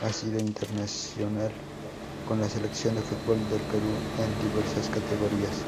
Ha sido internacional con la Selección de fútbol del Perú en diversas categorías.